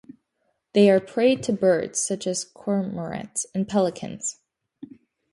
They are prey to birds such as cormorants and pelicans.